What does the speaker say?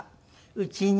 うちに？